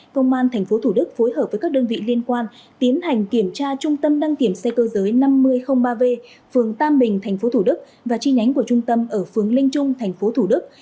công an tp thủ đức phối hợp với các đơn vị liên quan tiến hành kiểm tra trung tâm đăng kiểm xe cơ giới năm nghìn ba v phường tam bình tp thủ đức và chi nhánh của trung tâm ở phướng linh trung thành phố thủ đức